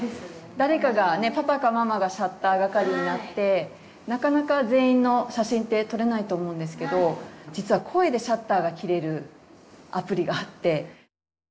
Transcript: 誰かがねパパかママがシャッター係になってなかなか全員の写真って撮れないと思うんですけど実は声でシャッターがきれるアプリがあって。